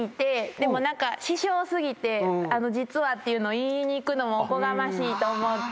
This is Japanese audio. でも師匠過ぎて「実は」って言いに行くのもおこがましいと思って。